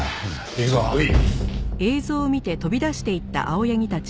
行くぞ青柳！